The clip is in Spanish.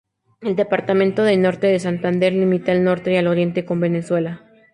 El departamento de Norte de Santander limita al norte y al oriente con Venezuela.